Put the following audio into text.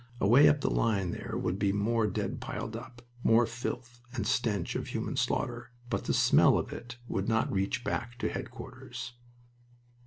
Away up the line there would be more dead piled up, more filth and stench of human slaughter, but the smell of it would not reach back to headquarters.